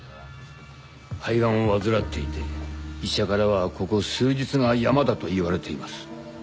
肺がんを患っていて医者からはここ数日がヤマだと言われています。